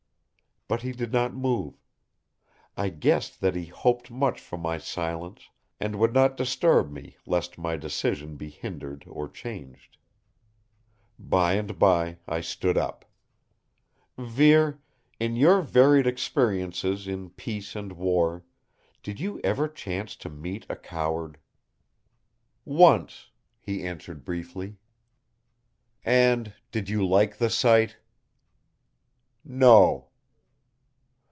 But he did not move. I guessed that he hoped much from my silence and would not disturb me lest my decision be hindered or changed. By and by I stood up. "Vere, in your varied experiences in peace and war, did you ever chance to meet a coward?" "Once," he answered briefly. "And, did you like the sight?" "No."